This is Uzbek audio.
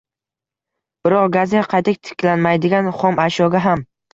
Biroq gazdek qayta tiklanmaydigan xom ashyoga ham